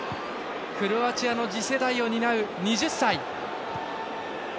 クロアチアの次世代を担う２０歳。